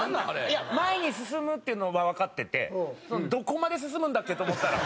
いや前に進むっていうのはわかっててどこまで進むんだっけ？と思ったら。